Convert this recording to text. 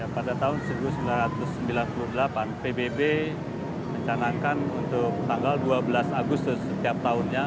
pada tahun seribu sembilan ratus sembilan puluh delapan pbb mencanangkan untuk tanggal dua belas agustus setiap tahunnya